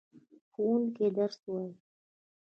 ښوونکی درس وايي.